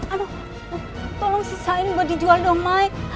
aduh tolong sisain buat dijual dong mike